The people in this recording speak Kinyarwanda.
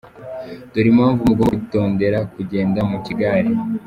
Dore impamvu mugomba kwitondera kugenda mu kigare: